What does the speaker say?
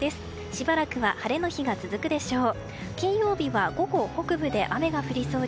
しばらくは晴れの日が続くでしょう。